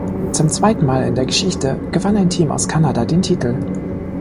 Zum zweiten Mal in der Geschichte gewann ein Team aus Kanada den Titel.